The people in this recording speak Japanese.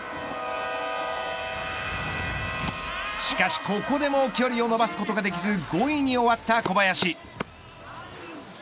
しかし、ここでも距離を伸ばすことができず５位に終わった小林。